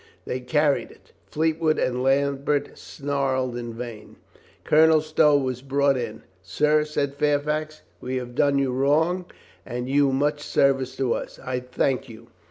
They carried it. Fleetwood and Lambert snarled in vain. Colonel Stow was brought in. "Sir," said Fair fax, "we have done you wrong and you much service to us. I thank you.